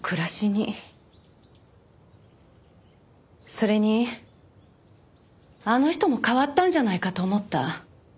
それにあの人も変わったんじゃないかと思った。